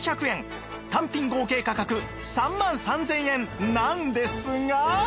単品合計価格３万３０００円なんですが